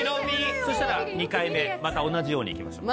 そしたら２回目また同じようにいきましょう。